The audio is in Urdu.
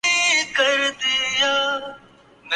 پر جرمانہ عاید کردے گا